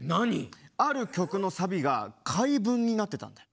ある曲のサビが回文になってたんだよ。